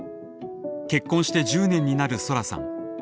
結婚して１０年になるソラさん。